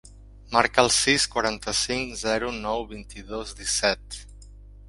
Marca el sis, quaranta-cinc, zero, nou, vint-i-dos, disset.